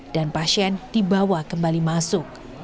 dan pasien dibawa kembali masuk